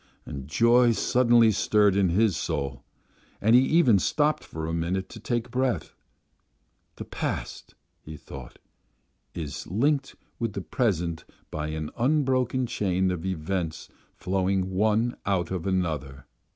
And joy suddenly stirred in his soul, and he even stopped for a minute to take breath. "The past," he thought, "is linked with the present by an unbroken chain of events flowing one out of another."